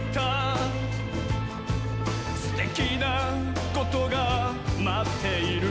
「すてきなことがまっている」